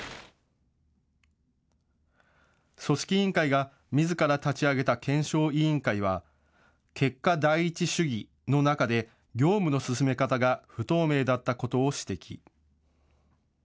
組織委員会がみずから立ち上げた検証委員会は結果第一主義の中で業務の進め方が不透明だったことを指摘。